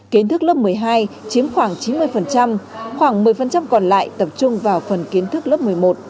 kiến thức lớp một mươi hai chiếm khoảng chín mươi khoảng một mươi còn lại tập trung vào phần kiến thức lớp một mươi một